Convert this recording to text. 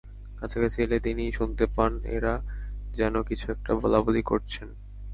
কাছাকাছি এলে তিনি শুনতে পান—এরা যেন কিছু একটা বলাবলি করছেন।